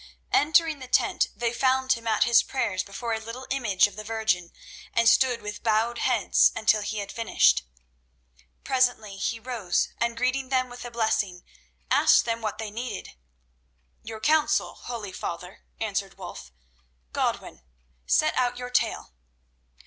Entering the tent, they found him at his prayers before a little image of the Virgin, and stood with bowed heads until he had finished. Presently he rose, and greeting them with a blessing, asked them what they needed. "Your counsel, holy father," answered Wulf. "Godwin, set out your tale."